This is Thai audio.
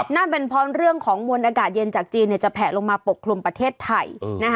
นั่นเป็นเพราะเรื่องของมวลอากาศเย็นจากจีนจะแผลลงมาปกคลุมประเทศไทย